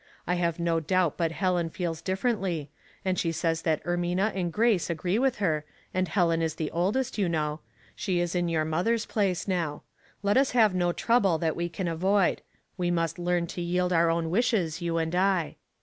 I have no ioubt but Helen feels differ ently, and she says that Ermina and Grace agree with her, and Helen is the oldest, you know ; she is in your mother's place now. Let us have no trouble that we can avoid. We must learn to yield our own wishes, you and I."